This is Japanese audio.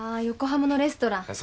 横浜のレストラン。